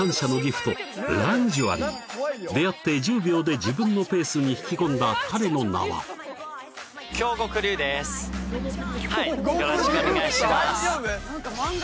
出会って１０秒で自分のペースに引き込んだ彼の名は京極琉さん？